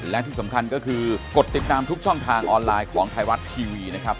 และที่สำคัญก็คือกดติดตามทุกช่องทางออนไลน์ของไทยรัฐทีวีนะครับ